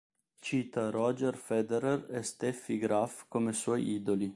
Cita Roger Federer e Steffi Graf come suoi idoli.